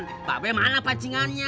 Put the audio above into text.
mbak be mana pancingannya